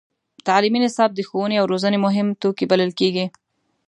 تعلیمي نصاب د ښوونې او روزنې مهم توکی بلل کېږي.